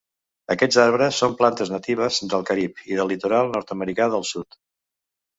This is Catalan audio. Aquests arbres són plantes natives del Carib i del litoral nord d'Amèrica del Sud.